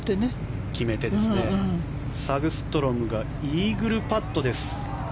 サグストロムがイーグルパットです。